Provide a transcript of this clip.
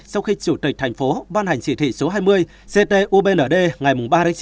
sau khi chủ tịch thành phố ban hành chỉ thị số hai mươi ct ubnd ngày ba chín